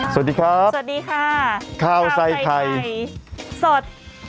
สวัสดีครับสวัสดีค่ะข้าวใส่ไข่สด